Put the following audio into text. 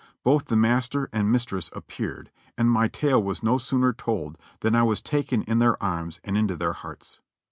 Both the master and mistress appeared; and my tale was no sooner told than I was taken in their arms and into their hearts.